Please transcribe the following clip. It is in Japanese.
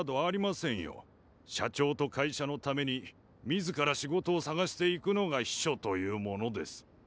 社長と会社のために自ら仕事を探していくのが秘書というものです。